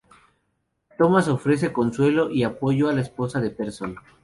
Tomas ofrece consuelo y apoyo a la esposa de Persson.